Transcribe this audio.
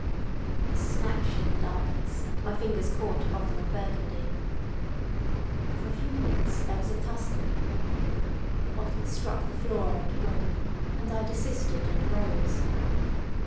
I snatched in the darkness, and my fingers caught a bottle of burgundy. For a few minutes there was a tussle. The bottle struck the floor and broke, and I desisted and rose.